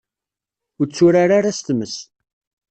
Ur tturar ara s tmes.